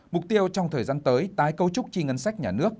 mục tiêu trong thời gian tới tái cấu trúc chi ngân sách nhà nước